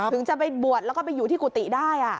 ถึงจะไปบวชแล้วก็ไปอยู่ที่กุฏิได้